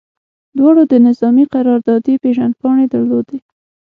دواړو د نظامي قراردادي پیژندپاڼې درلودې